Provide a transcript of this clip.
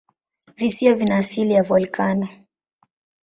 Visiwa vina asili ya volikano.